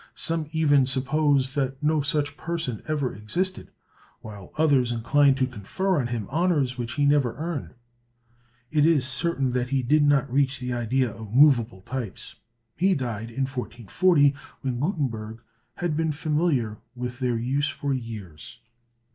Some even suppose that no such person ever existed; while others incline to confer on him honors which he never earned. It is certain that he did not reach the idea of movable types. He died in 1440, when Gutenberg had been familiar with their use for years.